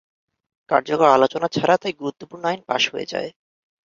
কার্যকর আলোচনা ছাড়া তাই গুরুত্বপূর্ণ আইন পাস হয়ে যায়।